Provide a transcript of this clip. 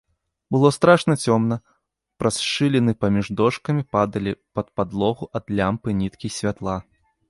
Было страшна цёмна, праз шчыліны паміж дошкамі падалі пад падлогу ад лямпы ніткі святла.